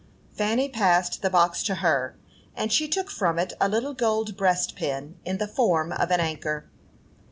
Fanny passed the box to her, and she took from it a little gold breastpin, in the form of an anchor.